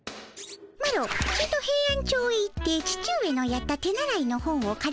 マロちとヘイアンチョウへ行って父上のやった手習いの本をかりてくるでの。